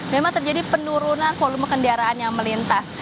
memang terjadi penurunan volume kendaraan yang melintas